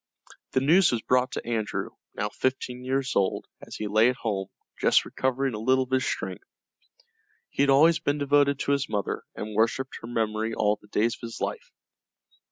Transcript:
The news was brought to Andrew, now fifteen years old, as he lay at home, just recovering a little of his strength. He had always been devoted to his mother and worshipped her memory all the days of his life.